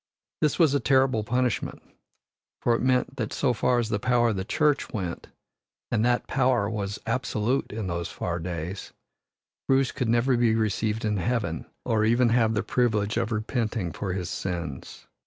This was a terrible punishment, for it meant that so far as the power of the Church went and that power was absolute in those far days Bruce could never be received in Heaven or even have the privilege of repenting for his sins.